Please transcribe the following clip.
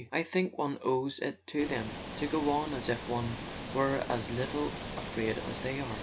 I think one owes it to them to go on as if one were as little afraid as they are.